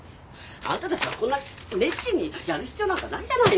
あんたたちはこんなに熱心にやる必要なんかないじゃないの！